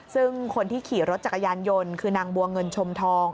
ซึ่งคนที่ขี่รถจักรยานยนต์คือนางบัวเงินชมทอง